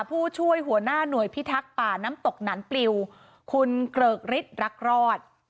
ผู้ช่วยหัวหน้าหน่วยพิทักษ์ป่าน้ำตกหนันปลิวคุณเกริกฤทธิ์รักรอด